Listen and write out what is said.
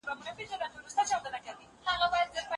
نرکس له مودو راهيسې پر مهارت ټينګار کړی و.